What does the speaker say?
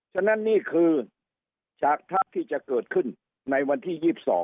ฉะนั้นนี่คือฉากทะที่จะเกิดขึ้นในวันที่๒๒